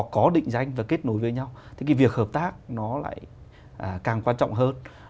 có định danh và kết nối với nhau thì cái việc hợp tác nó lại càng quan trọng hơn